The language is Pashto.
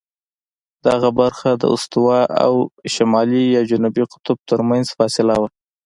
دغه برخه د استوا او شمالي یا جنوبي قطب ترمنځ فاصله وه.